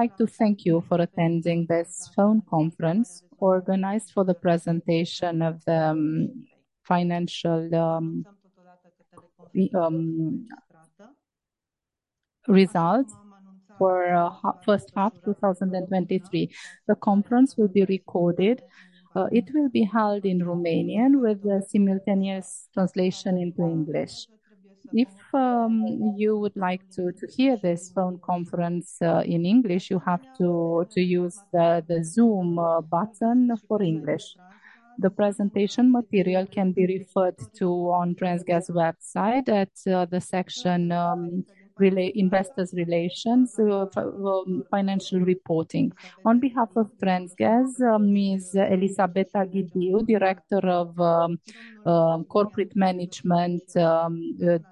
I'd like to thank you for attending this phone conference, organized for the presentation of the financial results for first half 2023. The conference will be recorded. It will be held in Romanian with simultaneous translation into English. If you would like to hear this phone conference in English, you have to use the Zoom button for English. The presentation material can be referred to on Transgaz website at the section investors relations financial reporting. On behalf of Transgaz, Ms. Elisabeta Ghidiu, Director of Corporate Management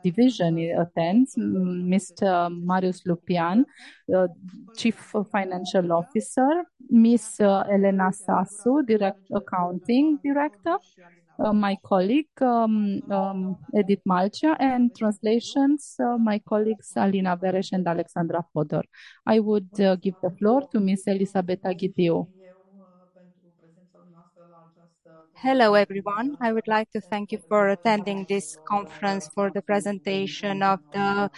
Division attends, Mr. Marius Vasile Lupean, Chief Financial Officer, Ms. Elena Sasu, Accounting Director, my colleague Edit Malcher, and translations, my colleagues, Alina Veres and Alexandra Fodor. I would give the floor to Ms. Elisabeta Ghidiu. Hello, everyone. I would like to thank you for attending this conference for the presentation of the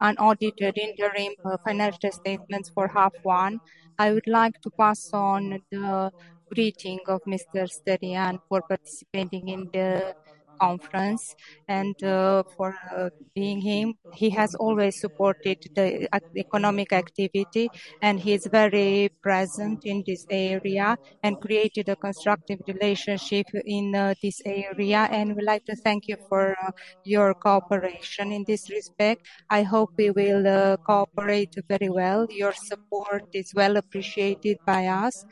unaudited interim financial statements for half one. I would like to pass on the greeting of Mr. Sterian for participating in the conference and for being here. He has always supported the economic activity, he's very present in this area and created a constructive relationship in this area. We'd like to thank you for your cooperation in this respect. I hope we will cooperate very well. Your support is well appreciated by us,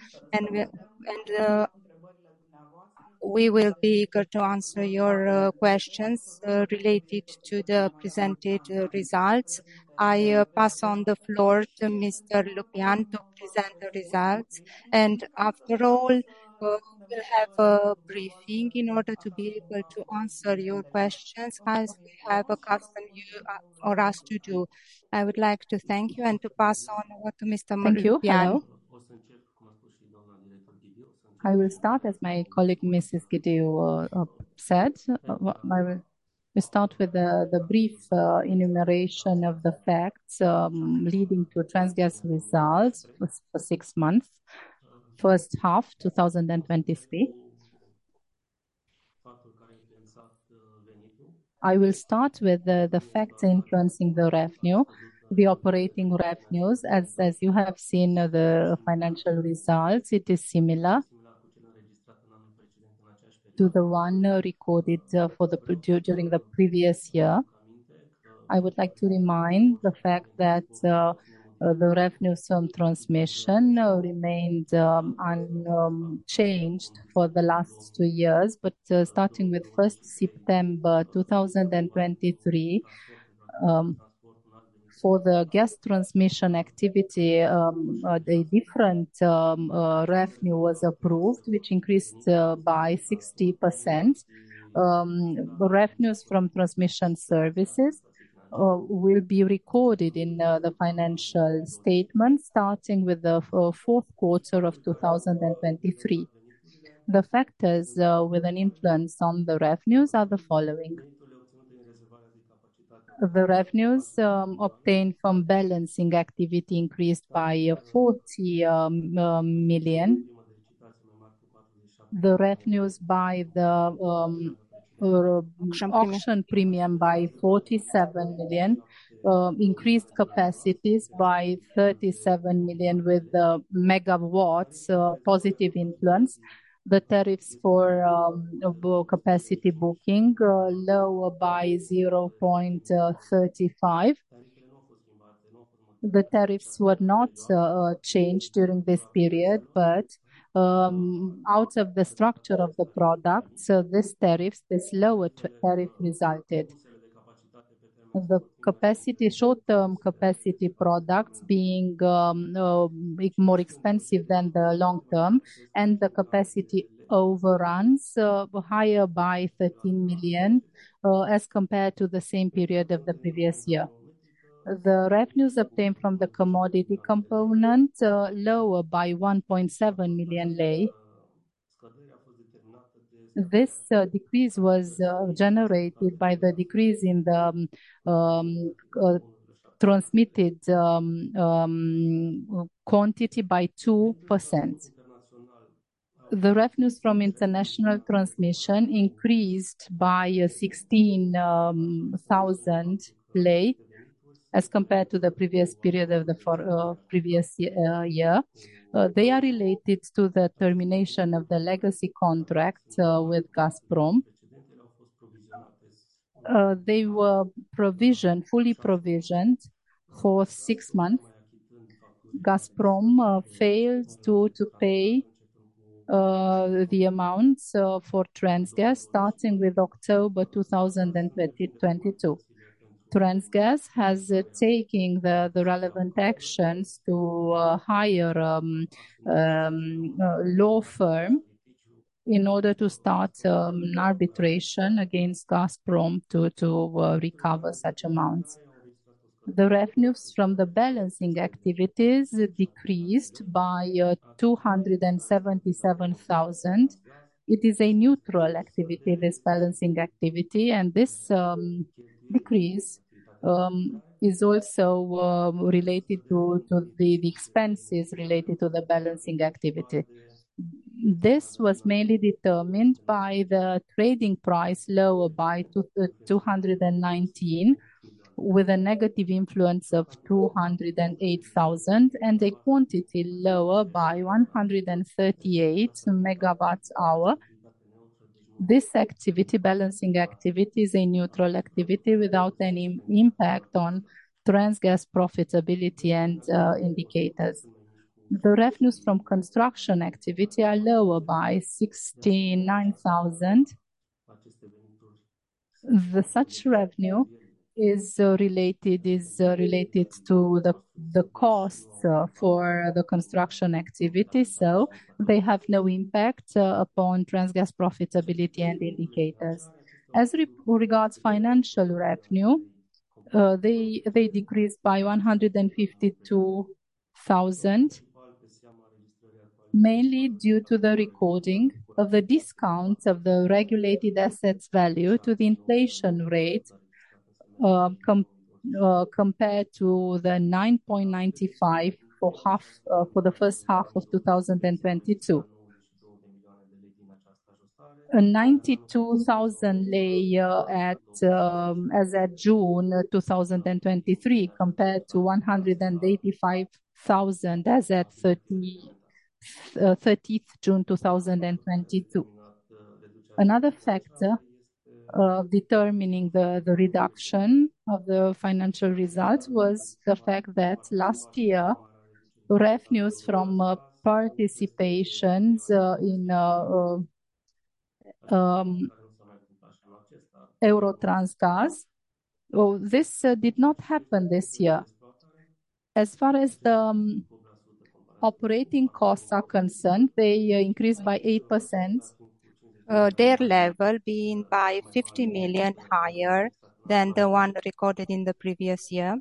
and we will be eager to answer your questions related to the presented results. I pass on the floor to Mr. Lupean to present the results, and after all, we'll have a briefing in order to be able to answer your questions, as we have accustomed you, or asked you to. I would like to thank you and to pass on over to Mr. Marius Lupean. Thank you. I will start, as my colleague, Ms. Ghidiu, said. I will start with the, the brief enumeration of the facts leading to Transgaz results for six months, first half 2023. I will start with the, the factors influencing the revenue. The operating revenues, as, as you have seen, the financial results, it is similar to the one recorded during the previous year. I would like to remind the fact that the revenues from transmission remained unchanged for the last two years, but starting with 1 September 2023, for the gas transmission activity, a different revenue was approved, which increased by 60%. The revenues from transmission services will be recorded in the financial statements starting with the fourth quarter of 2023. The factors with an influence on the revenues are the following: The revenues obtained from Balancing Activity increased by RON 40 million. The revenues by the Auction Premium by RON 47 million, increased capacities by RON 37 million with the megawatts positive influence. The tariffs for Capacity Booking lower by RON 0.35. The tariffs were not changed during this period, but out of the structure of the product, so this tariffs, this lower tariff, resulted. The capacity, short-term capacity products being more expensive than the long term, and the Capacity Overruns higher by RON 13 million as compared to the same period of the previous year. The revenues obtained from the Commodity Component, lower by RON 1.7 million. This decrease was generated by the decrease in the transmitted quantity by 2%. The revenues from international transmission increased by RON 16,000 as compared to the previous period of the for previous year. They are related to the termination of the legacy contract with Gazprom. They were provisioned, fully provisioned for 6 months. Gazprom failed to pay the amount. For Transgaz, starting with October 2022. Transgaz has taken the relevant actions to hire a law firm-... in order to start an arbitration against Gazprom to, to recover such amounts. The revenues from the balancing activities decreased by RON 277 thousand. It is a neutral activity, this balancing activity, and this decrease is also related to, to the, the expenses related to the balancing activity. This was mainly determined by the trading price, lower by 219, with a negative influence of RON 208 thousand, and a quantity lower by 138 MWh. This activity, balancing activity, is a neutral activity without any impact on Transgaz profitability and indicators. The revenues from construction activity are lower by RON 69 thousand. The such revenue is related, is related to the, the cost for the construction activity, so they have no impact upon Transgaz profitability and indicators. As regards financial revenue, they decreased by RON 152 thousand, mainly due to the recording of the discounts of the regulated assets value to the inflation rate, compared to the 9.95% for the first half of 2022. A RON 92 thousand, as at June 2023, compared to RON 185 thousand as at 30th June 2022. Another factor determining the reduction of the financial results was the fact that last year, revenues from participations in EUROTRANSGAZ. Well, this did not happen this year. As far as the operating costs are concerned, they increased by 8%, their level being by RON 50 million higher than the one recorded in the previous year.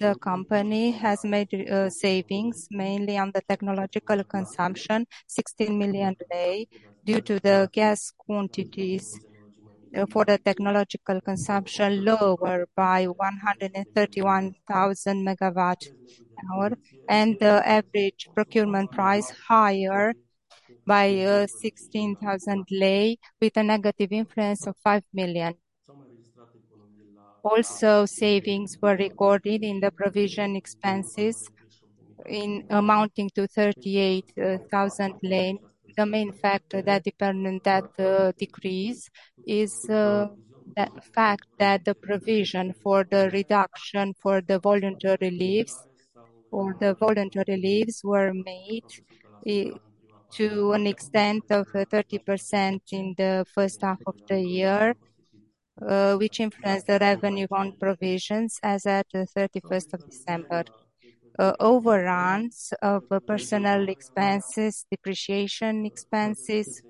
The company has made savings, mainly on the technological consumption, RON 16 million, due to the gas quantities for the technological consumption, lower by 131,000 MWh, and the average procurement price higher by RON 16,000, with a negative influence of RON 5 million. Also, savings were recorded in the provision expenses in amounting to RON 38,000. The main factor that determined that decrease is the fact that the provision for the reduction for the voluntary leaves or the voluntary leaves were made to an extent of 30% in the first half of the year, which influenced the revenue on provisions as at the thirty-first of December. Overruns of personnel expenses, depreciation expenses,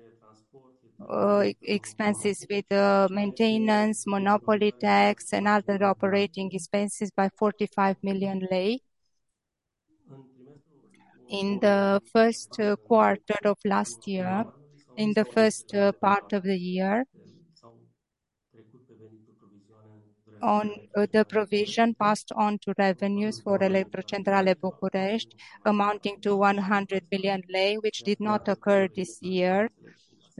expenses with maintenance, monopoly tax, and other operating expenses by RON 45 million. In the first quarter of last year, in the first part of the year, on the provision passed on to revenues for Electrocentrale Bucuresti, amounting to RON 100 billion, which did not occur this year.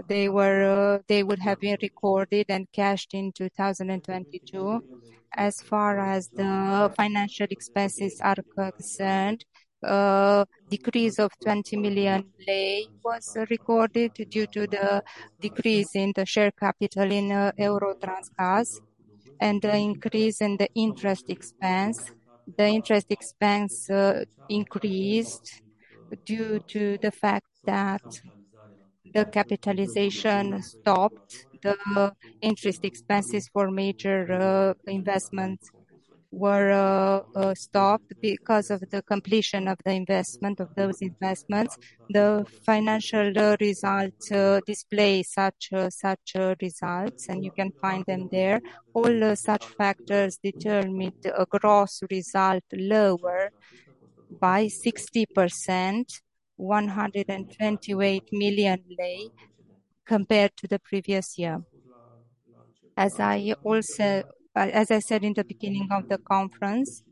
They would have been recorded and cashed in 2022. As far as the financial expenses are concerned, a decrease of RON 20 million was recorded due to the decrease in the share capital in Eurotransgaz and the increase in the interest expense. The interest expense increased due to the fact that the capitalization stopped. The interest expenses for major investments were stopped because of the completion of the investment, of those investments. The financial results display such such results, and you can find them there. All such factors determined a gross result lower by 60%, RON 128 million, compared to the previous year. As I also said in the beginning of the conference,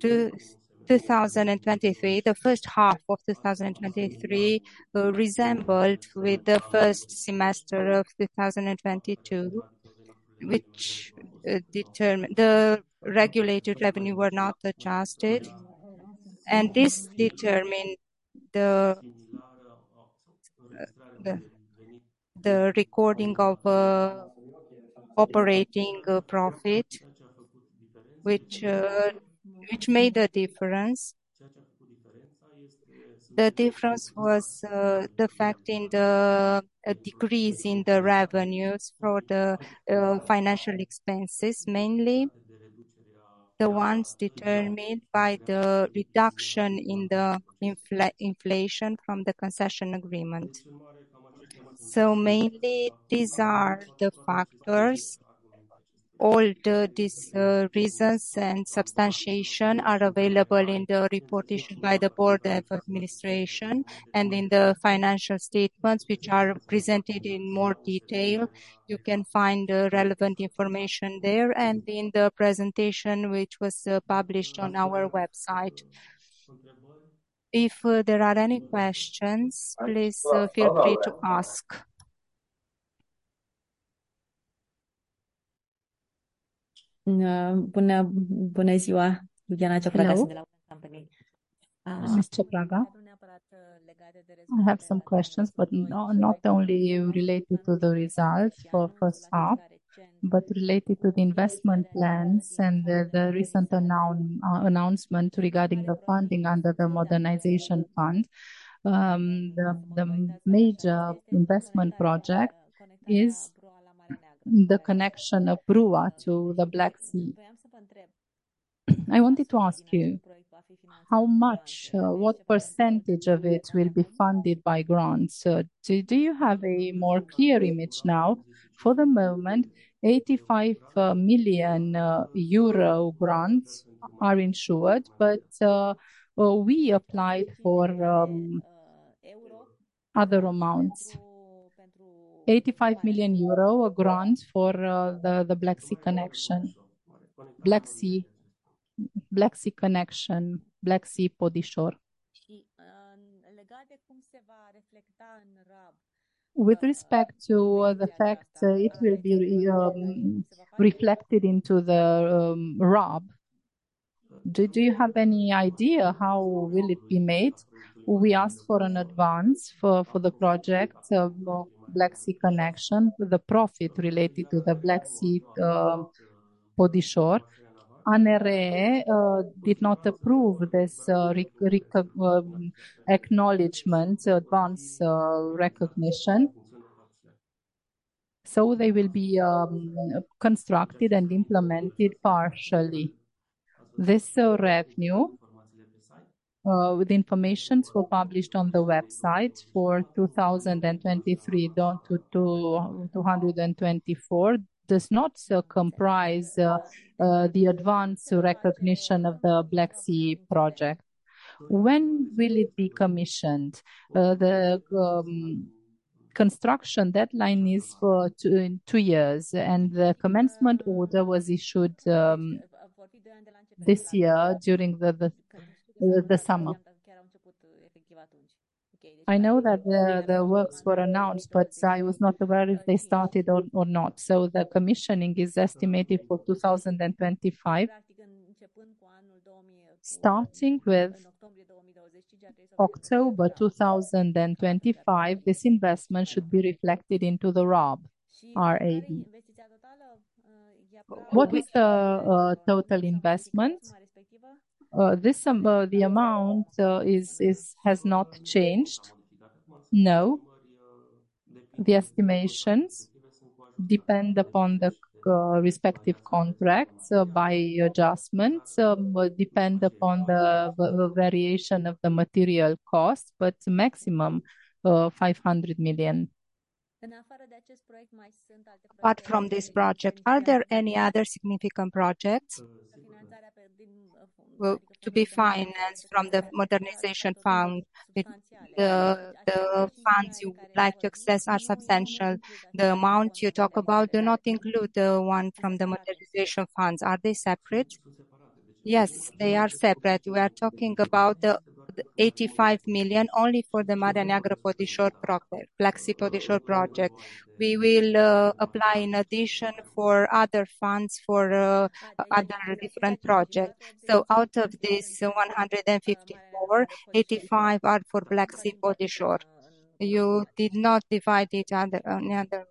2023, the first half of 2023, resembled with the first semester of 2022, which the Regulated Revenue were not adjusted, and this determined the, the recording of operating profit, which made a difference. The difference was the fact in the decrease in the revenues for the financial expenses, mainly the ones determined by the reduction in the inflation from the Concession Agreement. Mainly, these are the factors. All the, these, reasons and substantiation are available in the report issued by the Board of Administration and in the financial statements, which are presented in more detail. You can find the relevant information there and in the presentation, which was, published on our website. If there are any questions, please feel free to ask. [unintelligible] buna, buna ziua. Iuliana Ciopraga from- Hello. Ms. Cepraga. I have some questions, but no- not only related to the results for first half, but related to the investment plans and the, the recent announ- announcement regarding the funding under the Modernization Fund. The, the major investment project is the connection of BRUA to the Black Sea. I wanted to ask you, how much, what percentage of it will be funded by grants? Do, do you have a more clear image now? For the moment, 85 million euro grants are insured, but we applied for other amounts. 85 million euro grants for the Black Sea connection. Black Sea, Black Sea connection, Black Sea Podișor. With respect to the fact, it will be reflected into the RAB, do you have any idea how will it be made? We asked for an advance for the project of Black Sea connection, the profit related to the Black Sea Port shore. ANRE did not approve this acknowledgment, advanced recognition. They will be constructed and implemented partially. This revenue, with informations were published on the website for 2023 down to 224, does not comprise the advanced recognition of the Black Sea project. When will it be commissioned? The construction deadline is for two and two years, and the commencement order was issued this year during the summer. I know that the works were announced, but I was not aware if they started or not. The commissioning is estimated for 2025. Starting with October 2025, this investment should be reflected into the RAB, R-A-B. What is the total investment? This number, the amount, is, is Has not changed. No, the estimations depend upon the respective contracts by adjustments, will depend upon the variation of the material cost, but maximum, 500 million. Apart from this project, are there any other significant projects to be financed from the Modernization Fund? The funds you like to access are substantial. The amount you talk about do not include the one from the Modernization Fund. Are they separate? Yes, they are separate. We are talking about the, the 85 million only for the Marea Neagră Port shore project, Black Sea Port shore project. We will apply in addition for other funds, for other different projects. Out of this 154, 85 are for Black Sea Port shore. You did not divide each other, the other?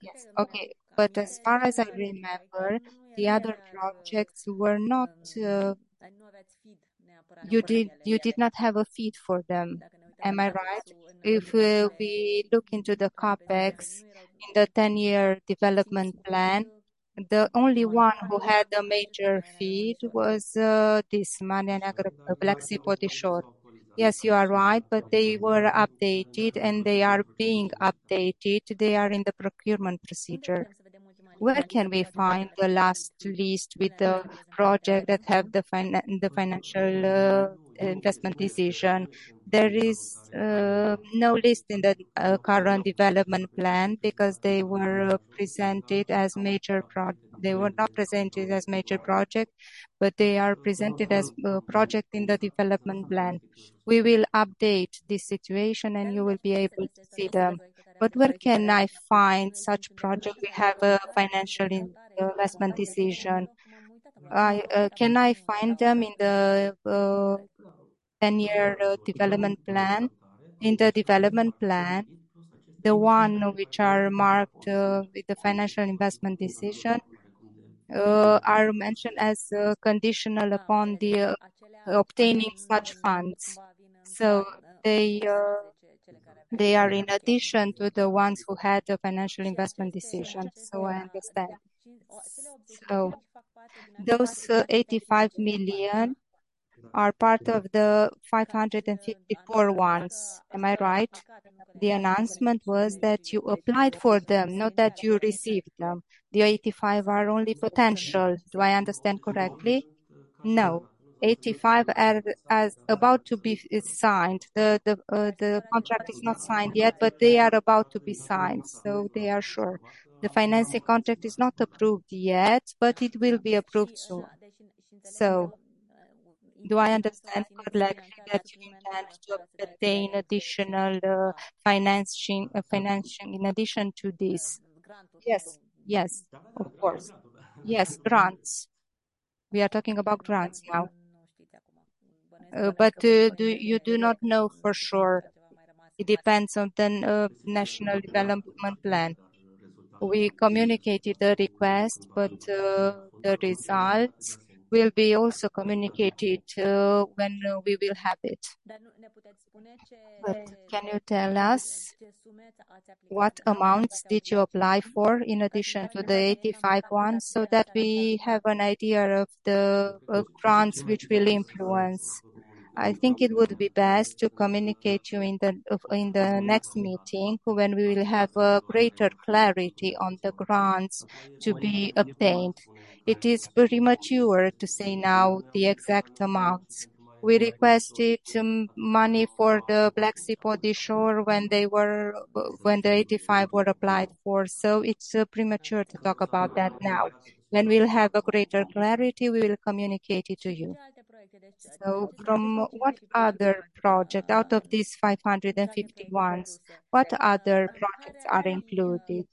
Yes. Okay. As far as I remember, the other projects were not- You did, you did not have a FID for them. Am I right? If we look into the CapEx in the Ten-Year Development Plan, the only one who had a major FID was, this Marea Neagră, Black Sea Port shore. Yes, you are right, but they were updated and they are being updated. They are in the procurement procedure. Where can we find the last list with the project that have the financial investment decision? There is no list in the current development plan because they were presented as major project. They were not presented as major project, but they are presented as a project in the development plan. We will update this situation, and you will be able to see them. Where can I find such project? We have a financial investment decision. I, can I find them in the Ten-Year Development Plan? In the development plan, the one which are marked with the financial investment decision, are mentioned as conditional upon the obtaining such funds. They are in addition to the ones who had a financial investment decision, so I understand. Those 85 million are part of the 554 ones. Am I right? The announcement was that you applied for them, not that you received them. The 85 are only potential. Do I understand correctly? No. 85 are about to be, is signed. The, the, the contract is not signed yet, they are about to be signed, they are sure. The financing contract is not approved yet, it will be approved soon. Do I understand correctly that you intend to obtain additional financing, financing in addition to this? Yes. Yes, of course. Yes, grants. We are talking about grants now. Do, you do not know for sure? It depends on the National Development Plan. We communicated the request, the results will be also communicated when we will have it. Can you tell us what amounts did you apply for in addition to the 85 ones, so that we have an idea of the grants which will influence? I think it would be best to communicate you in the in the next meeting, when we will have greater clarity on the grants to be obtained. It is premature to say now the exact amounts. We requested some money for the Black Sea offshore when they were... when the 85 were applied for, so it's premature to talk about that now. When we'll have a greater clarity, we will communicate it to you. From what other project, out of these 550 ones, what other projects are included?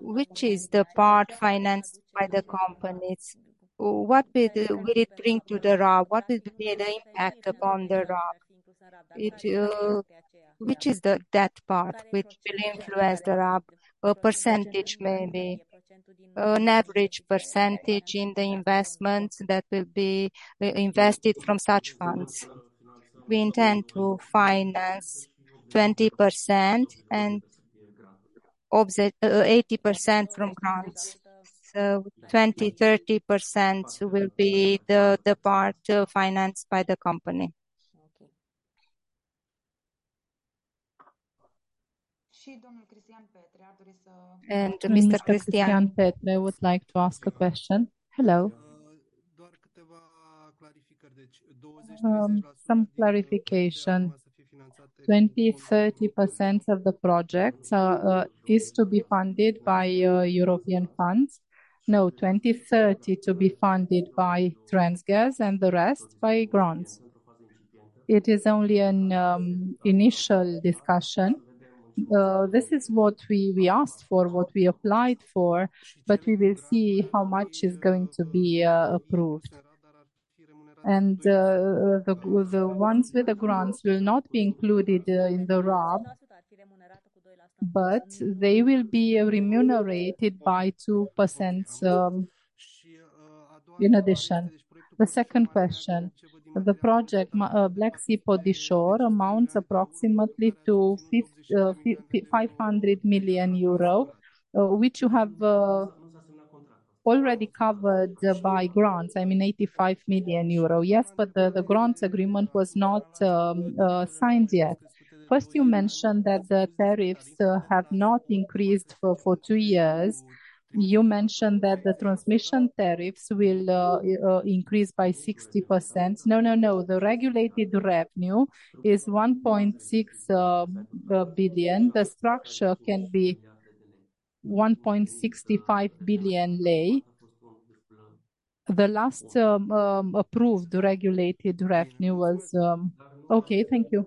Which is the part financed by the companies? What will, will it bring to the RAB? What will be the impact upon the RAB? It... Which is the, that part, which will influence the RAB, a percentage maybe, an average percentage in the investments that will be, invested from such funds? We intend to finance 20% and 80% from grants. So 20%-30% will be the, the part, financed by the company. Okay. She, Mr. Cristian Petre would like to ask a question. Hello. some clarification. 20%-30% of the project is to be funded by European funds? No, 20, 30 to be funded by Transgaz, and the rest by grants. It is only an initial discussion. This is what we, we asked for, what we applied for, but we will see how much is going to be approved. The, the ones with the grants will not be included in the RAB, but they will be remunerated by 2% in addition. The second question: the project, Black Sea offshore, amounts approximately to 500 million euro, which you have, already covered by grants. I mean, 85 million euro. Yes, but the grants agreement was not signed yet. First, you mentioned that the tariffs have not increased for two years. You mentioned that the transmission tariffs will increase by 60%. No, no, no. The regulated revenue is RON 1.6 billion. The structure can be RON 1.65 billion. The last approved regulated revenue was- Okay, thank you.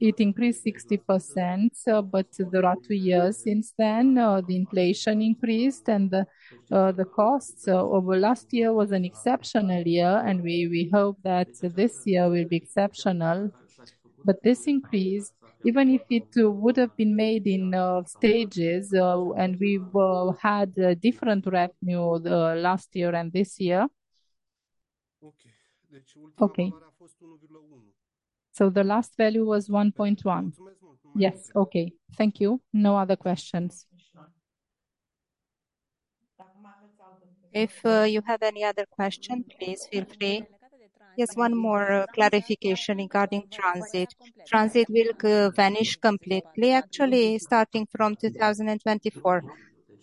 It increased 60%, but there are two years since then. The inflation increased and the costs over last year was an exceptional year, and we hope that this year will be exceptional. This increase, even if it would have been made in stages, and we've had different revenue the last year and this year. Okay. Okay. The last value was RON 1.1? Yes. Okay. Thank you. No other questions. If you have any other question, please feel free. Yes, one more clarification regarding transit. Transit will vanish completely, actually, starting from 2024?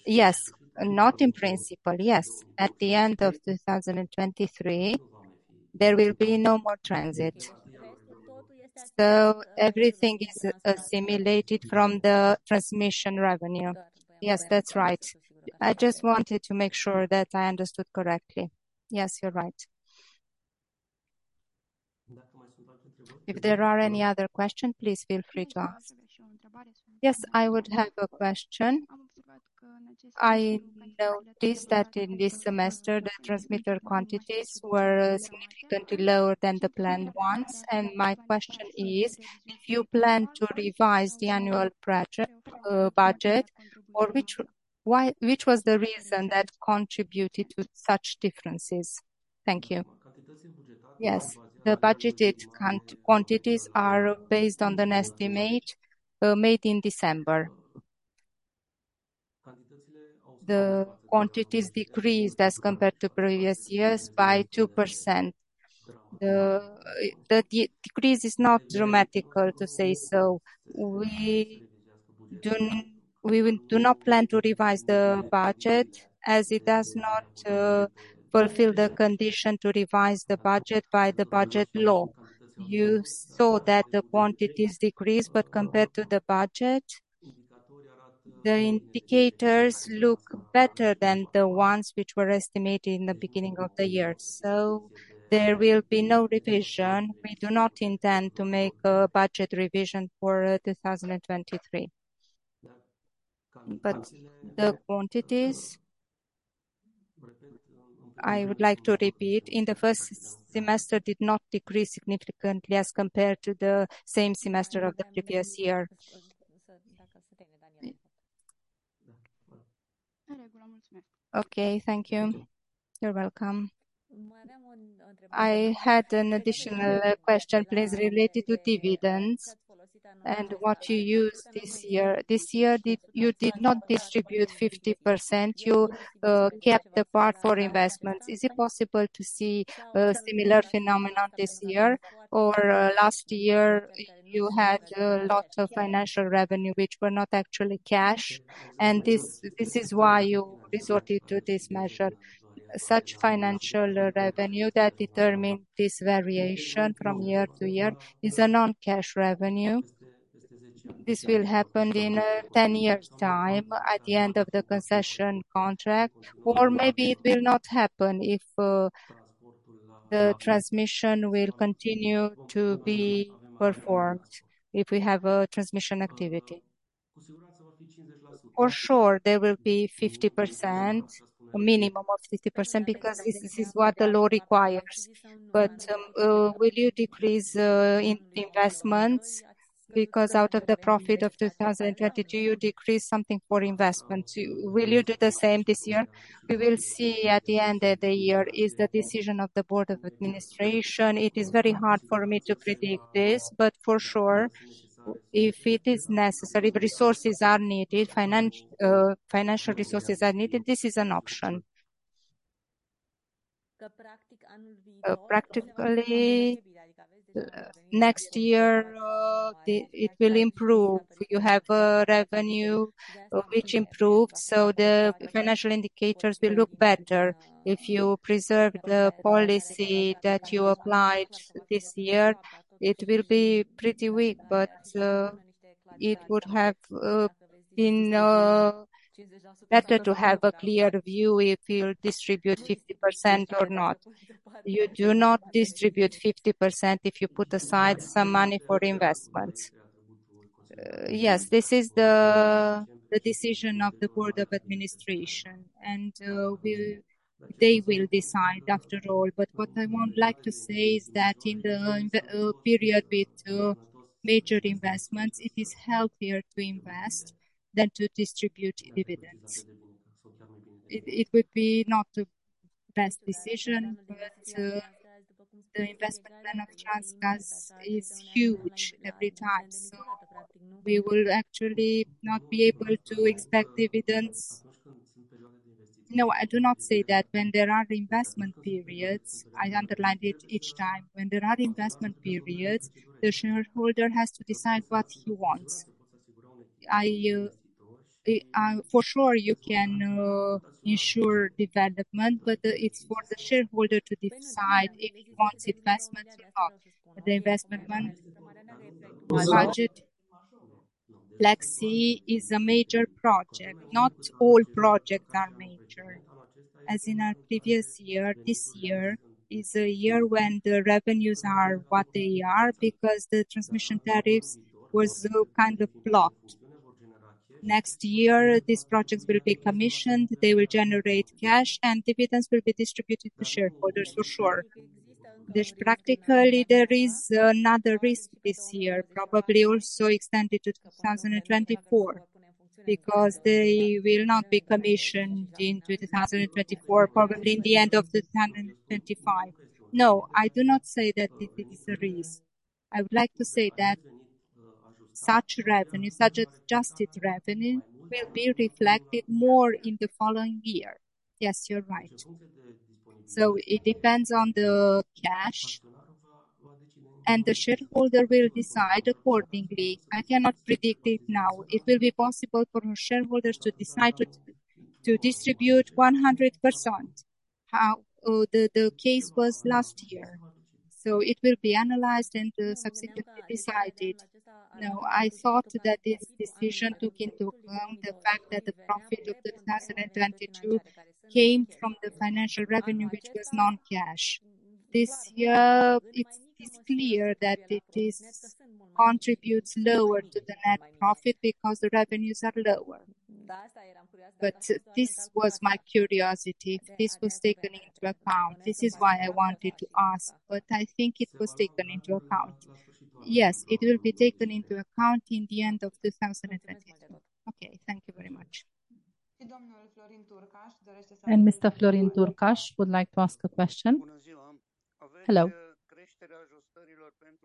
Yes. Not in principle. Yes, at the end of 2023, there will be no more transit. Everything is assimilated from the transmission revenue? Yes, that's right. I just wanted to make sure that I understood correctly. Yes, you're right. If there are any other question, please feel free to ask. Yes, I would have a question. I noticed that in this semester, the transmitter quantities were significantly lower than the planned ones, and my question is: Do you plan to revise the annual budget, or which was the reason that contributed to such differences? Thank you. Yes, the budgeted quantities are based on an estimate made in December. The quantities decreased as compared to previous years by 2%. The decrease is not dramatic to say so. We do not plan to revise the budget, as it does not fulfill the condition to revise the budget by the budget law. You saw that the quantities decreased, but compared to the budget, the indicators look better than the ones which were estimated in the beginning of the year. There will be no revision. We do not intend to make a budget revision for 2023. The quantities, I would like to repeat, in the first semester did not decrease significantly as compared to the same semester of the previous year. Okay, thank you. You're welcome. I had an additional question, please, related to dividends and what you used this year. This year, did You did not distribute 50%, you kept the part for investments. Is it possible to see a similar phenomenon this year? Last year, you had a lot of financial revenue, which were not actually cash, and this, this is why you resorted to this measure. Such financial revenue that determine this variation from year to year is a non-cash revenue. This will happen in 10 years' time, at the end of the concession contract, or maybe it will not happen if the transmission will continue to be performed, if we have a transmission activity. For sure, there will be 50%, a minimum of 50%, because this is what the law requires. Will you decrease in investments? Because out of the profit of 2022, you decreased something for investment. Will you do the same this year? We will see at the end of the year. It's the decision of the Board of Administration. It is very hard for me to predict this, but for sure, if it is necessary, if resources are needed, financial, financial resources are needed, this is an option. Practically, next year, it will improve. You have a revenue which improved, so the financial indicators will look better. If you preserve the policy that you applied this year, it will be pretty weak, but it would have been better to have a clear view if you distribute 50% or not. You do not distribute 50% if you put aside some money for investments. Yes, this is the, the decision of the Board of Administration, and they will decide after all. What I would like to say is that in the, in the period with major investments, it is healthier to invest than to distribute dividends. It, it would be not the best decision, but the investment plan of Transgaz is huge every time, so we will actually not be able to expect dividends. No, I do not say that when there are investment periods, I underline it each time. When there are investment periods, the shareholder has to decide what he wants. I, for sure, you can ensure development, but it's for the shareholder to decide if he wants investments or the investment fund budget. Black Sea is a major project. Not all projects are major. As in our previous year, this year is a year when the revenues are what they are, because the transmission tariffs was kind of blocked. Next year, these projects will be commissioned, they will generate cash, and dividends will be distributed to shareholders for sure. There's practically, there is not a risk this year, probably also extended to 2024, because they will not be commissioned in 2024, probably in the end of 2025. No, I do not say that it is a risk. I would like to say that such revenue, such adjusted revenue, will be reflected more in the following year. Yes, you're right. It depends on the cash, and the shareholder will decide accordingly. I cannot predict it now. It will be possible for shareholders to decide to, to distribute 100%, how the case was last year. It will be analyzed and subsequently decided. No, I thought that this decision took into account the fact that the profit of 2022 came from the financial revenue, which was non-cash. This year, it is clear that it is contributes lower to the net profit because the revenues are lower. This was my curiosity, if this was taken into account. This is why I wanted to ask, but I think it was taken into account. Yes, it will be taken into account in the end of 2024. Okay, thank you very much. Mr. Florin Turcas would like to ask a question. Hello.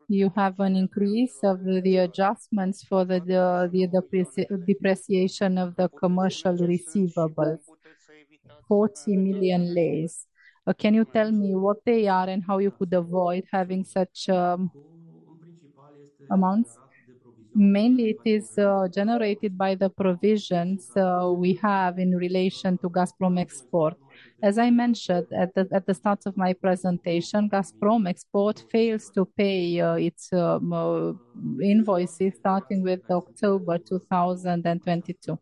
You have an increase of the adjustments for the depreciation of the commercial receivable, RON 40 million. Can you tell me what they are and how you could avoid having such amounts? Mainly, it is generated by the provisions we have in relation to Gazprom Export. As I mentioned at the start of my presentation, Gazprom Export fails to pay its invoices starting with October 2022.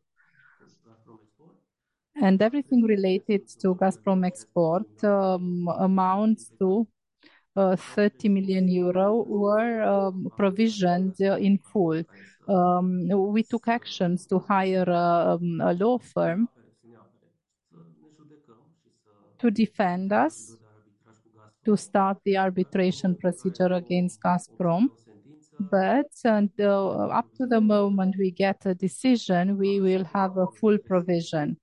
Everything related to Gazprom Export, amounts to 30 million euro were provisioned in full. We took actions to hire a law firm to defend us, to start the arbitration procedure against Gazprom. Until up to the moment we get a decision, we will have a full provision.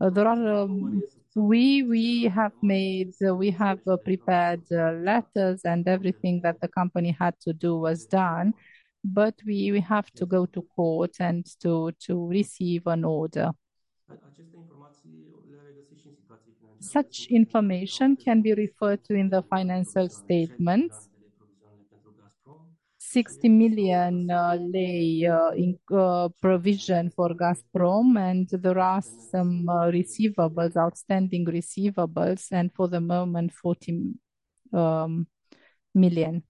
There are We, we have made, we have prepared letters, and everything that the company had to do was done, but we have to go to court and to receive an order. Such information can be referred to in the financial statements. RON 60 million in provision for Gazprom, and there are some receivables, outstanding receivables, and for the moment, RON 40 million.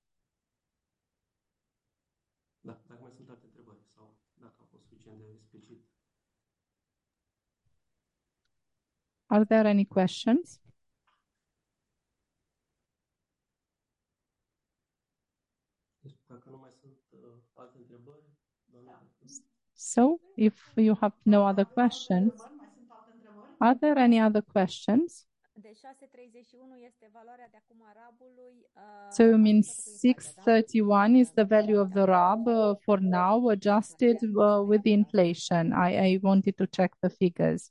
Are there any questions? If you have no other questions... Are there any other questions? You mean 631 is the value of the RAB for now, adjusted with the inflation. I, I wanted to check the figures.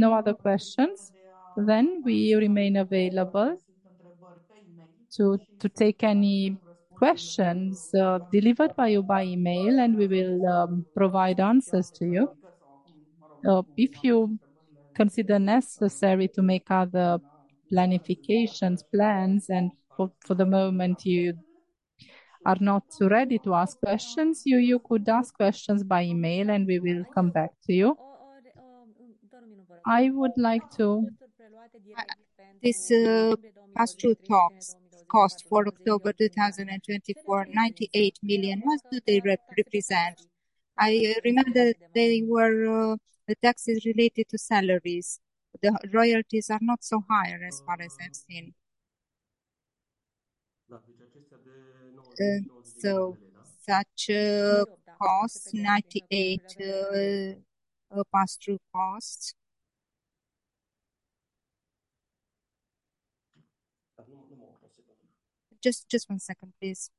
No other questions? We remain available to, to take any questions delivered by you by email, and we will provide answers to you. If you consider necessary to make other planifications, plans, and for, for the moment, you are not ready to ask questions, you, you could ask questions by email, and we will come back to you. This pass-through costs for October 2024, RON 98 million, what do they represent? I remember that they were the taxes related to salaries. The royalties are not so high as far as I've seen. Such a cost, RON 98 million pass-through costs. Just one second, please.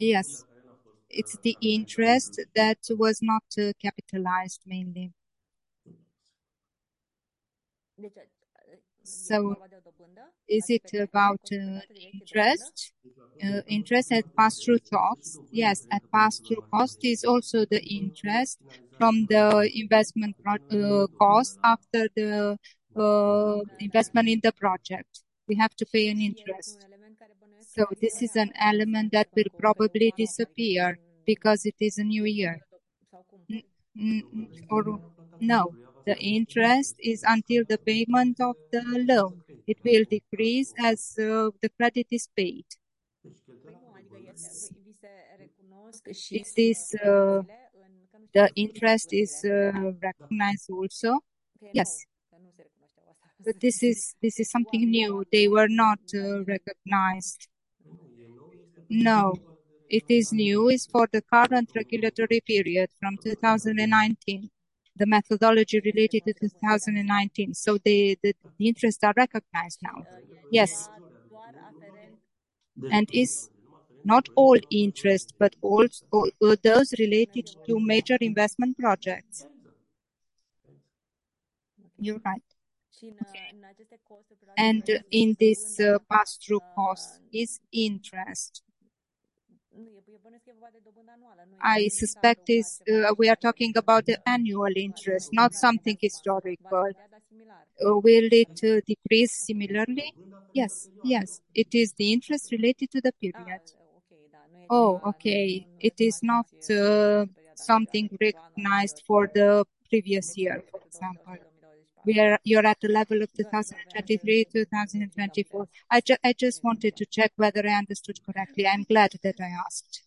Yes, it's the interest that was not capitalized mainly. Is it about interest? Interest at pass-through costs? Yes, at pass-through costs is also the interest from the investment project cost after the investment in the project. We have to pay an interest. This is an element that will probably disappear because it is a new year? Or no. The interest is until the payment of the loan. It will decrease as the credit is paid. Is this? The interest is recognized also? Yes. This is, this is something new. They were not recognized. It is new. It's for the current regulatory period from 2019, the methodology related to 2019. The, the, the interests are recognized now. Yes. It's not all interest, but all those related to major investment projects. You're right. Okay. In this pass-through cost is interest. I suspect it's we are talking about the annual interest, not something historic, but. Will it decrease similarly? Yes. Yes. It is the interest related to the period. Oh, okay. It is not something recognized for the previous year, for example, where you're at the level of 2023, 2024. I just wanted to check whether I understood correctly. I'm glad that I asked.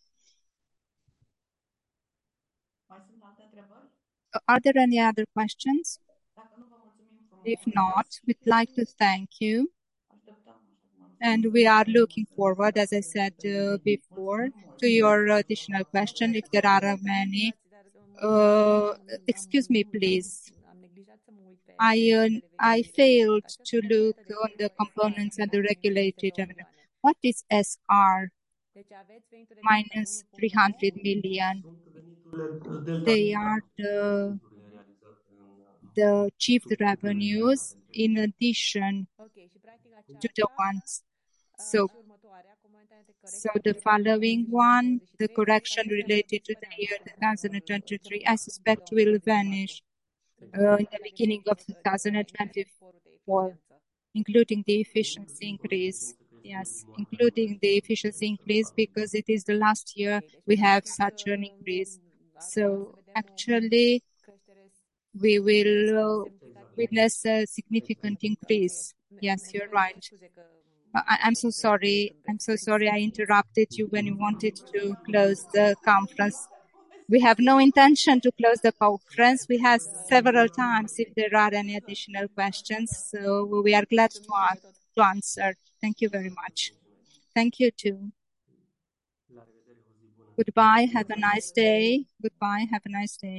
Are there any other questions? If not, we'd like to thank you, and we are looking forward, as I said, before, to your additional question, if there are many. Excuse me, please. I, I failed to look on the components and the regulated... What is SR minus RON 300 million? They are the, the chief revenues in addition- Okay. -to the ones. So the following one, the correction related to the year 2023, I suspect will vanish in the beginning of 2024. Including the efficiency increase? Yes, including the efficiency increase, because it is the last year we have such an increase. Actually, we will witness a significant increase. Yes, you're right. I, I'm so sorry. I'm so sorry I interrupted you when you wanted to close the conference. We have no intention to close the conference. We have several times if there are any additional questions, so we are glad to answer. Thank you very much. Thank you, too. Goodbye. Have a nice day. Goodbye. Have a nice day.